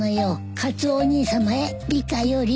「カツオおにいさまへリカより」